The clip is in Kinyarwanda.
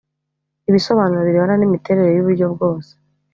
Ibisobanuro birebana n imiterere y uburyo bwose